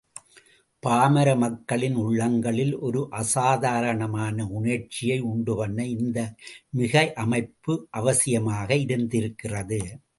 பாமர மக்களின் உள்ளங்களில் ஒரு அசாதாரணமான உணர்ச்சியை உண்டுபண்ண இந்த மிகை அமைப்பு அவசியமாக இருந்திருக்கிறது.